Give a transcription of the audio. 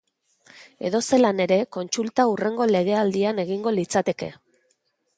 Edozelan ere, kontsulta hurrengo legealdian egingo litzateke.